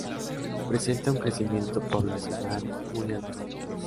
Presenta un crecimiento poblacional muy alto.